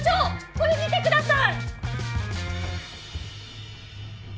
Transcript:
これ見てください！